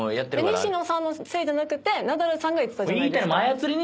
西野さんのせいじゃなくてナダルさん言ってたじゃないですか。